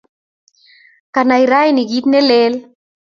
Kanai rani kit ne lel